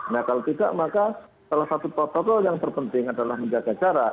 nah kalau tidak maka salah satu protokol yang terpenting adalah menjaga jarak